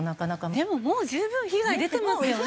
でももう十分被害出てますよね。